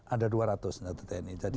ada dua ratus senjata tni